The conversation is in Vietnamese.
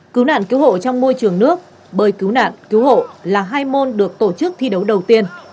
cứu nạn cứu hộ trong môi trường nước bơi cứu nạn cứu hộ là hai môn được tổ chức thi đấu đầu tiên